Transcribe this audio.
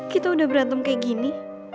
kita udah berantem kayak gini